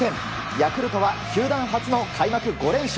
ヤクルトは球団初の開幕５連勝。